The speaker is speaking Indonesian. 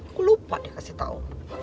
aku lupa dikasih tau